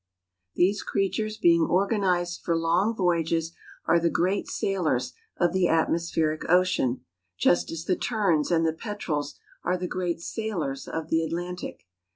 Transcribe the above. Those creatures being organised for long voyages are the great sailors of the atmo¬ spheric ocean, just as the terns and the petrels are the great sailors of the Atlantic.